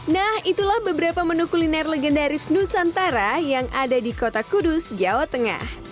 nah itulah beberapa menu kuliner legendaris nusantara yang ada di kota kudus jawa tengah